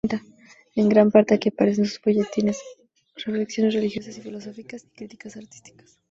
En gran parte aquí aparecen sus folletines, reflexiones religiosas y filosóficas y críticas artísticas.